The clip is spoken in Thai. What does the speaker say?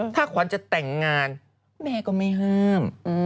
ถ้าขวัญจะแต่งงานแม่ก็ไม่ห้าม